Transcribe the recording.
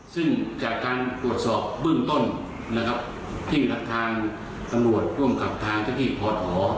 ซึ่งจากการตรวจสอบเบื้องต้นนะครับที่ทางตำรวจร่วมกับทางเจ้าที่พอถอ